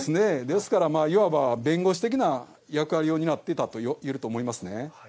ですからいわば弁護士的な役割を担ってたといえると思いますね。